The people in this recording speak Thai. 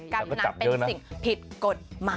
การพนันเป็นสิ่งผิดกฎหมาย